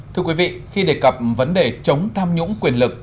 thưa quý vị khi đề cập vấn đề chống tham nhũng quyền lực